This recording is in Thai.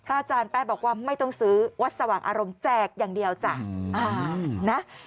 อาจารย์แป้บอกว่าไม่ต้องซื้อวัดสว่างอารมณ์แจกอย่างเดียวจ้ะนะ